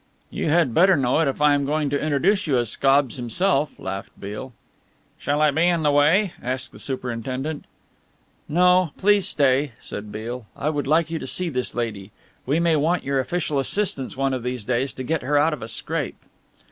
"You had better know it if I am going to introduce you as Scobbs himself," laughed Beale. "Shall I be in the way?" asked the superintendent. "No, please stay," said Beale. "I would like you to see this lady. We may want your official assistance one of these days to get her out of a scrape."